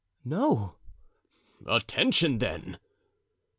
"No." "Attention, then!"